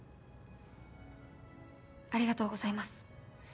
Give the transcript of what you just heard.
ありがとうございます。